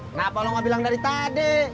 kenapa lo gak bilang dari tadi